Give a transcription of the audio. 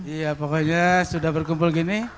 iya pokoknya sudah berkumpul gini